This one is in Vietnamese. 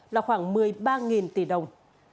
là khoảng một mươi ba tỷ đồng